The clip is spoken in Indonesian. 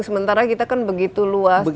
sementara kita kan begitu luas